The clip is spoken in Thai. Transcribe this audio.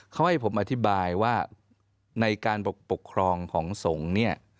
เขาให้ผมอธิบายว่าในการปกครองของสงฆ์เนี่ย